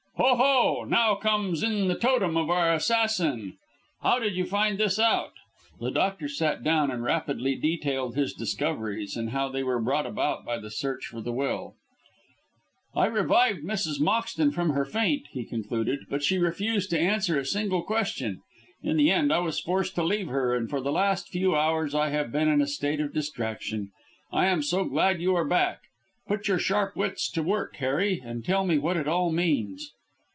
"Ho! ho! Now comes in the 'totem' of our assassin. How did you find this out?" The doctor sat down and rapidly detailed his discoveries, and how they were brought about by the search for the will. "I revived Mrs. Moxton from her faint," he concluded, "but she refused to answer a single question. In the end I was forced to leave her, and for the last few hours I have been in a state of distraction. I am so glad you are back. Put your sharp wits to work, Harry, and tell me what it all means."